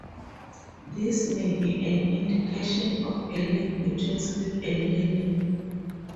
This may be an indication of a link between sleep and learning.